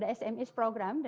dengan program sme